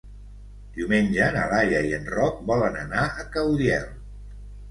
Diumenge na Laia i en Roc volen anar a Caudiel.